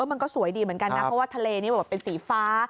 มันก็สวยดีเหมือนกันนะเพราะว่าทะเลนี้เป็นสีฟ้า